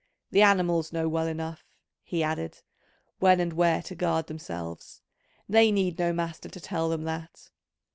The animals know well enough," he added, "when and where to guard themselves: they need no master to tell them that.